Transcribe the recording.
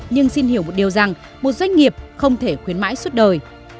nhưng xin hiểu một điều rằng một doanh nghiệp không thể khuyến mãi suốt đời